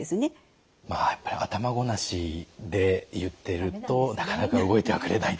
やっぱり頭ごなしで言ってるとなかなか動いてはくれない。